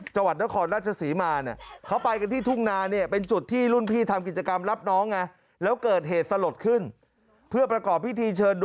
จวัดนครราชศรีมาเนี่ย